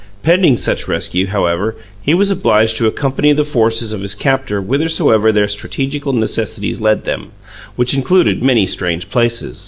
Pending such rescue, however, he was obliged to accompany the forces of his captor whithersoever their strategical necessities led them, which included many strange places.